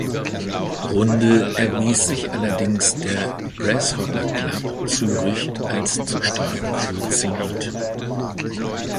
Runde erwies sich allerdings der Grasshopper Club Zürich als zu stark für Zenit.